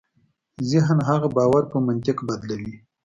ذهن هغه باور په منطق بدلوي.